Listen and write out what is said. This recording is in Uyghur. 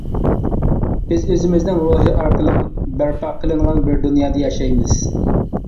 بىز ئۆزىمىزنىڭ روھىي ئارقىلىق بەرپا قىلىنغان بىر دۇنيادا ياشايمىز.